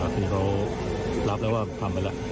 คือเขารับแล้วว่าทำไปแล้ว